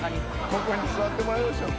ここに座ってもらいましょう。